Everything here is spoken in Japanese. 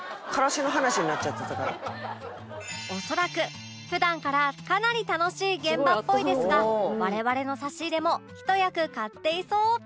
恐らく普段からかなり楽しい現場っぽいですが我々の差し入れも一役買っていそう